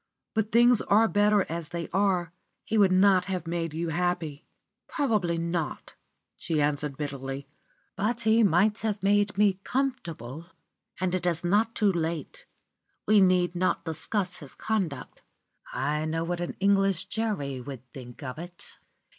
But things are better as they are. He would not have made you happy." "Probably not," she answered bitterly, "but he might have made me comfortable. And it is not too late. We need not discuss his conduct. I know what an English jury would think of it.